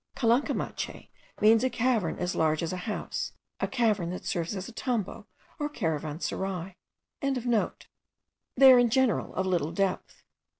Callancamachay means a cavern as large as a house, a cavern that serves as a tambo or caravansarai.) They are in general of little depth.